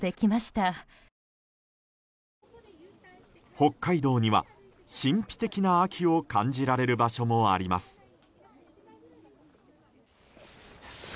北海道には神秘的な秋を感じられる場所もあります。